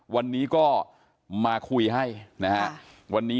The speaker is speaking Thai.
วันนี้ก็มาคุยให้